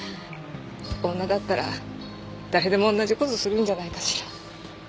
女だったら誰でも同じ事するんじゃないかしら。